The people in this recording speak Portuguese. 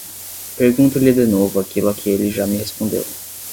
pergunto-lhe de novo aquilo a que ele já me respondeu